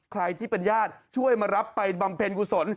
ใครที่เป็นญาติช่วยมารับไปบำเพ็ญกุศล